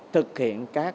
thực hiện các